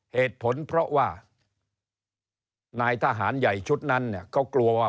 เหตุผลเพราะว่านายทหารใหญ่ชุดนั้นเนี่ยเขากลัวว่า